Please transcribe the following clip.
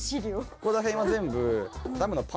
ここら辺は全部。